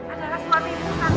adalah suamimu santi